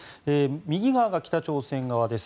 右側が北朝鮮側です。